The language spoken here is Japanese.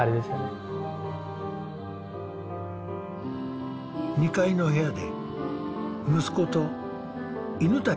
２階の部屋で息子と犬たちと暮らしていた。